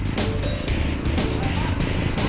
gua mau ke sana